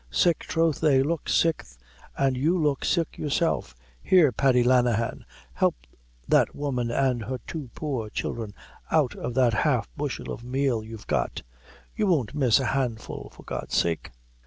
Sick troth they look sick, an' you look sick yourself. Here, Paddy Lenahan, help that woman an' her two poor children out of that half bushel of meal you've got; you won't miss a handful for God's sake."